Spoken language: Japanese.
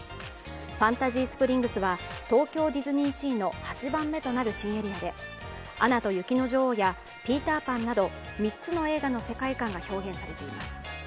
ファンタジースプリングスは東京ディズニーシーの８番目となる新エリアで「アナと雪の女王」や「ピーター・パン」など３つの映画の世界観が表現されています。